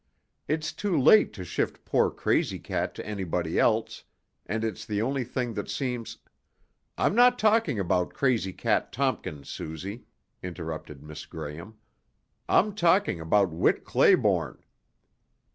It's too late to shift poor Crazy Cat to anybody else, and it's the only thing that seems...." "I'm not talking about Crazy Cat Tompkins, Suzy," interrupted Miss Graham. "I'm talking about Whit Clayborne."